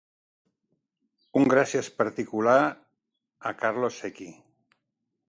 Un gràcies particular a Carlo Sechi